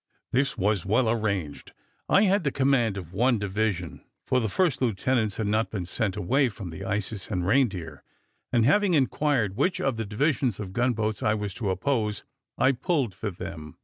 This was well arranged. I had the command of one division, for the first lieutenants had not been sent away from the Isis and Reindeer, and having inquired which of the divisions of gun boats I was to oppose, I pulled for them.